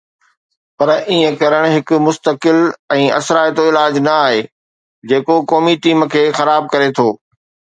پر ائين ڪرڻ هڪ مستقل ۽ اثرائتو علاج نه آهي جيڪو قومي ٽيم کي خراب ڪري ٿو